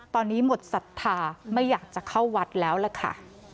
ตอนนี้หมดศรัทธาไม่อยากจะเข้าวัดแล้วล่ะค่ะ